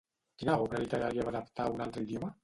Quina obra literària va adaptar a un altre idioma?